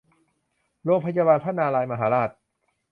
โรงพยาบาลพระนารายณ์มหาราช